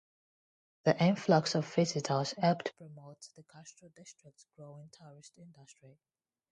The influx of visitors helped promote the Castro district's growing tourist industry.